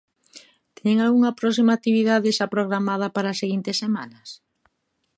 Teñen algunha próxima actividade xa programada para as seguintes semanas?